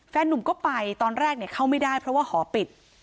หนุ่มก็ไปตอนแรกเข้าไม่ได้เพราะว่าหอปิด